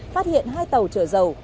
phát hiện hai tàu chở dầu